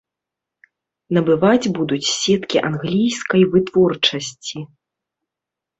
Набываць будуць сеткі англійскай вытворчасці.